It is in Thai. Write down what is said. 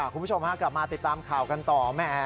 คุณผู้ชมฮะกลับมาติดตามข่าวกันต่อแม่